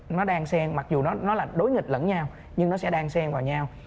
nó đang sen mặc dù nó là đối nghịch lẫn nhau nhưng nó sẽ đang sen vào nhau